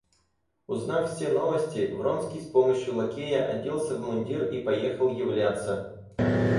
Узнав все новости, Вронский с помощию лакея оделся в мундир и поехал являться.